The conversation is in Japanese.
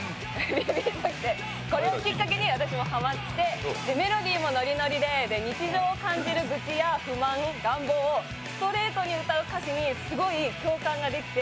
これをきっかけに私もハマって、メロディーもノリノリで、日常を感じる愚痴や不満、願望をストレートに歌う歌詞にすごい共感ができて。